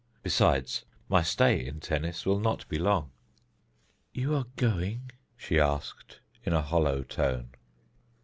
Besides, my stay in Tennis will not be long." "You are going?" she asked in a hollow tone.